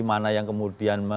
mana yang kemudian